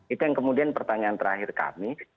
itu yang kemudian pertanyaan terakhir kami